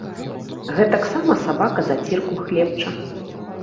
Гэтаксама сабака зацірку хлебча.